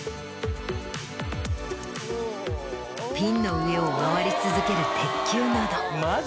ピンの上を回り続ける鉄球など。